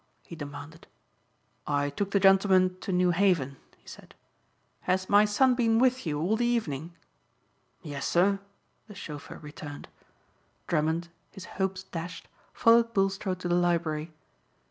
he demanded. "I took the gentlemen to New Haven," he said. "Has my son been with you all the evening?" "Yes, sir," the chauffeur returned. Drummond, his hopes dashed, followed Bulstrode to the library.